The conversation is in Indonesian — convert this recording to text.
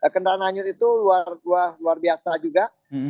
kendaraan hanyut itu luar biasa juga